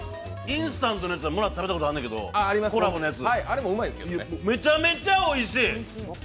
インスタントのやつもらって食べたことあるんやけどもうめちゃめちゃおいしい！